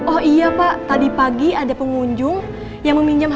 oh iya pak tadi pagi ada pengunjung yang meminjam